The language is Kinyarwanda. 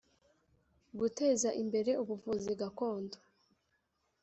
guteza imbere ubuvuzi gakondo